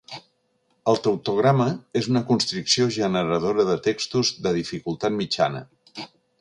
El tautograma és una constricció generadora de textos de dificultat mitjana.